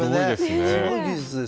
すごい技術です。